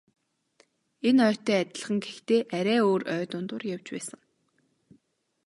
Энэ ойтой адилхан гэхдээ арай өөр ой дундуур явж байсан.